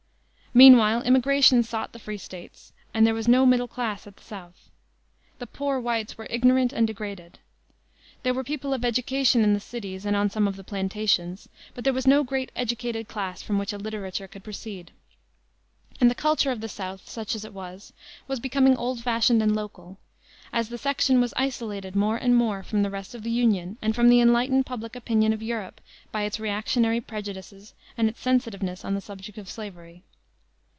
Meanwhile immigration sought the free States, and there was no middle class at the South. The "poor whites" were ignorant and degraded. There were people of education in the cities and on some of the plantations, but there was no great educated class from which a literature could proceed. And the culture of the South, such as it was, was becoming old fashioned and local, as the section was isolated more and more from the rest of the Union and from the enlightened public opinion of Europe by its reactionary prejudices and its sensitiveness on the subject of slavery.